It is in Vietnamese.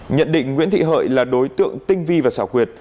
nhận định nguyễn thị hợi là đối tượng tinh vi và xảo quyệt